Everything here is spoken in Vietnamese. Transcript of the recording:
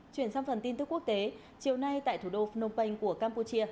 chuyển sang phần tin tức quốc tế chiều nay tại thủ đô phnom penh của campuchia